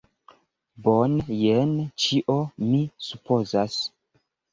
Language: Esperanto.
Bone, jen ĉio mi supozas!